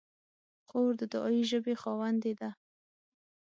خور د دعایي ژبې خاوندې ده.